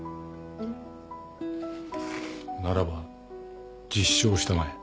ならば実証したまえ。